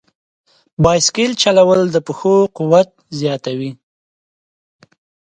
بایسکل چلول د پښو قوت زیاتوي.